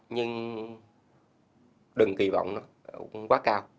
nhưng đừng kỳ vọng nó quá cao